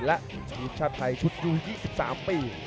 และทีมชาติไทยชุดยู๒๓ปี